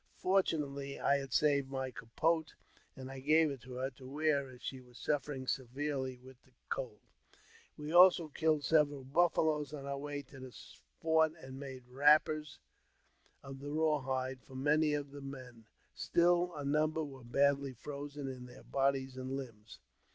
Fortunately, I had saved my capote, and I gave it to her to wear, as she was suffering severely with the cold. We also killed several buffaloes on our way to the fort, and made wrappers of the 262 AUTOBIOGBAPHY OF JAMES P. BECKWOUBTH. raw hides for many of the men ; still a number were badl] frozen in their bodies and limbs.